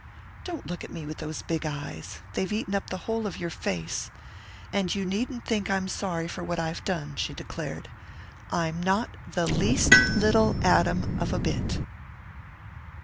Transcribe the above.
"Don't look at me with those big eyes they've eaten up the whole of your face! And you needn't think I'm sorry for what I've done," she declared. "I'm not the least little atom of a bit!"